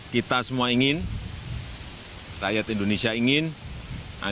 kita semua ingin rakyat indonesia ingin agar